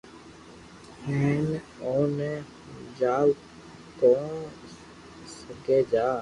ھين اوني ھمجاو ڪو متي جا